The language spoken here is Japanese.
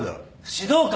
指導官！